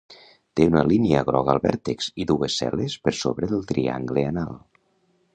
Té una línia groga al vèrtex i dues cel·les per sobre del triangle anal.